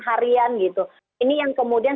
harian gitu ini yang kemudian